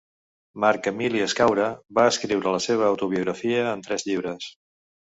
Marc Emili Escaure va escriure la seva autobiografia en tres llibres.